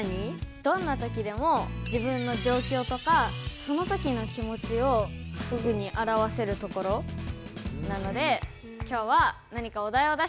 どんな時でも自分のじょうきょうとかその時の気持ちをすぐにあらわせるところなので今日は何かお題を出してください。